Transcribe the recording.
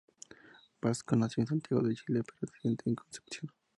Basso nació en Santiago de Chile pero reside en Concepción.